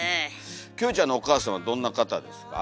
キョエちゃんのお母さんはどんな方ですか？